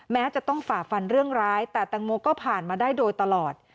แม้จะต้องฝ่าฟันเรื่องร้ายแต่แตงโมก็ผ่านมาได้โดยตลอด